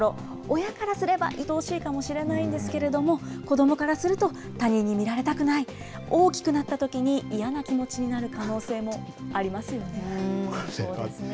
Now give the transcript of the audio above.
親からすればいとおしいかもしれないんですけれども、子どもからすると、他人に見られたくない。大きくなったときに嫌な気持ちにそうですね。